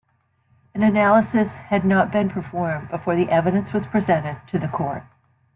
An analysis had not been performed before the evidence was presented to the court.